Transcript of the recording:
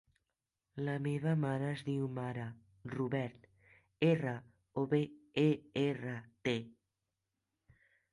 La meva mare es diu Mara Robert: erra, o, be, e, erra, te.